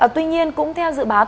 tuy nhiên cũng theo dự báo